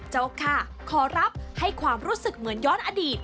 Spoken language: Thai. ค่ะขอรับให้ความรู้สึกเหมือนย้อนอดีต